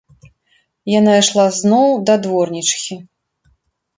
Яна ішла зноў да дворнічыхі.